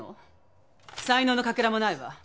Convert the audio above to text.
才能のかけらもないわ。